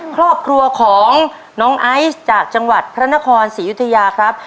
ครอบครัวของน้องไอซ์จากจังหวัดพระนครศรียุธยาครับ